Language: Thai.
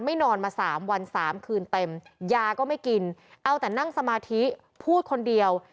นอนมาสามวันสามคืนเต็มยาก็ไม่กินเอาแต่นั่งสมาธิพูดคนเดียว